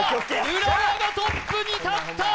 浦和がトップに立った！